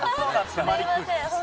すいません。